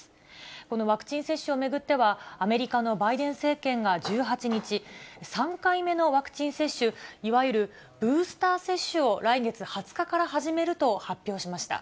このワクチン接種を巡っては、アメリカのバイデン政権が１８日、３回目のワクチン接種、いわゆる、ブースター接種を来月２０日から始めると発表しました。